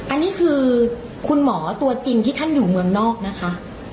อันนี้คือคุณหมอตัวจริงที่ท่านอยู่เมืองนอกนะคะ